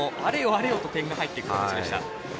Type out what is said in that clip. あれよと点が入っていく形でした。